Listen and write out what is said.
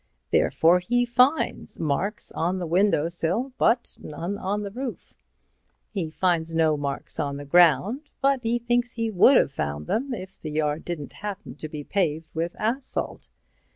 Therefore he finds marks on the window sill but none on the roof. He finds no marks on the ground, but he thinks he would have found them if the yard didn't happen to be paved with asphalt.